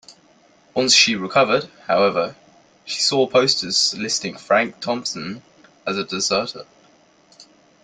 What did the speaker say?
Once she recovered, however, she saw posters listing Frank Thompson as a deserter.